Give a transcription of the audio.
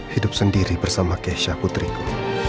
hidup sendiri bersama keisha putriku